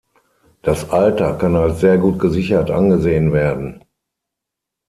Das Alter kann als sehr gut gesichert angesehen werden.